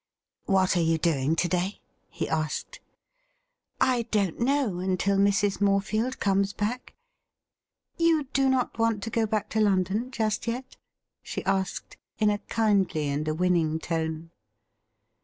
' What are you doing to day ?' he asked. ' I don't know until Mrs. Morefield comes back ; you' do not want to go back to London just yet .P' she asked, in a kindly and a winning tone.